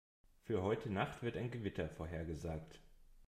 Für heute Nacht wird ein Gewitter vorhergesagt.